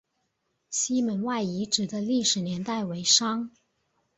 西门外遗址的历史年代为商。